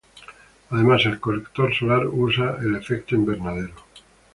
Además el colector solar usa el efecto invernadero.